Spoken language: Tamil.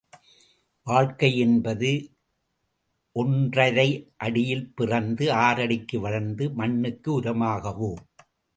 வாழ்க்கையென்பது, ஒன்றரையடியில் பிறந்து ஆறடிக்கு வளர்ந்து மண்ணுக்கு உரமாகவோ?